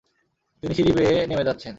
তিনি সিঁড়ি বেয়ে নেমে যাচ্ছেন।